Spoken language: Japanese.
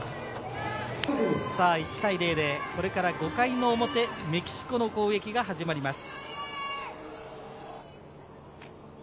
１対０でこれから５回の表メキシコの攻撃が始まります。